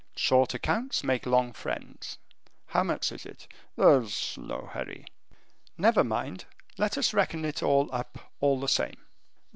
Short accounts make long friends. How much is it?" "There is no hurry." "Never mind, let us reckon it all up all the same.